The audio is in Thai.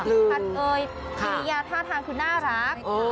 พัดเอ่ยกิริยาท่าทางคือน่ารัก